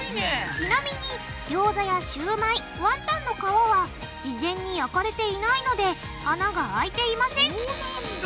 ちなみにぎょうざやシューマイワンタンの皮は事前に焼かれていないので穴があいていませんそうなんだ！